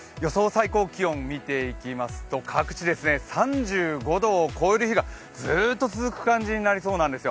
最高気温見ていきますと各地３５度を超える日がずーっと続く感じになりそうなんです。